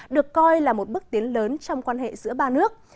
được coi là một bước tiến lớn trong quan hệ giữa ba nước